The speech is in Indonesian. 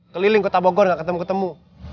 keliling kota bogor tidak ketemu ketemu